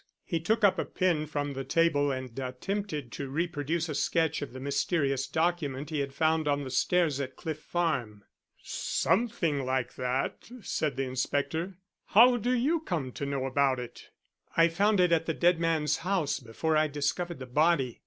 He took up a pen from the table and attempted to reproduce a sketch of the mysterious document he had found on the stairs at Cliff Farm. "Something like that," said the inspector. "How do you come to know about it?" "I found it at the dead man's house before I discovered the body.